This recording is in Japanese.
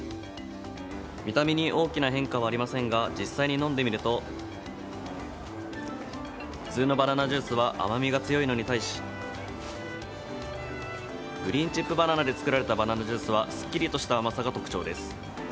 見た目に大きな変化はありませんが実際に飲んでみると普通のバナナジュースは甘みが強いのに対しグリーンチップバナナで作られたバナナジュースはすっきりとした甘さが特徴です。